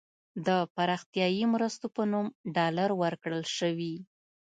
د پراختیايي مرستو په نوم ډالر ورکړل شوي.